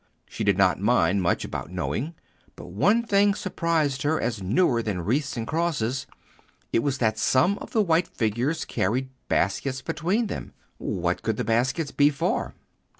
She did not mind much about knowing. But one thing surprised her as newer than wreaths and crosses; it was that some of the white figures carried baskets between them. What could the baskets be for?